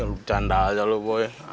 lu bercanda aja boy